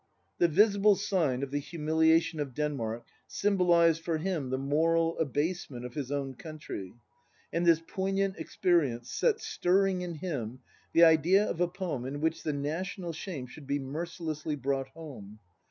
The visible sign of the humiliation of Denmark symbol ised for him the moral abasement of his own country; and this poignant experience set stirring in him the idea of a poem in which the national shame should be merci lessly brought home.